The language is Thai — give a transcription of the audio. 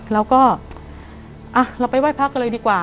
แล้วก็เราไปไหว้พระกันเลยดีกว่า